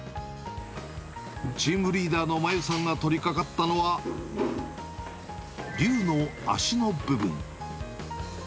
チームリーダーのまゆさんが取りかかったのは、竜の足の部分。